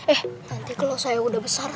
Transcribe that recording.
eh nanti kalau saya udah besar